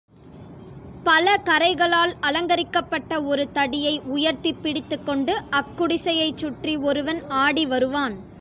பலகறைகளால் அலங்கரிக்கப்பட்ட ஒரு தடியை உயர்த்திப் பிடித்துக்கொண்டு, அக் குடிசையைச் சுற்றி ஒருவன் ஆடி வருவான்.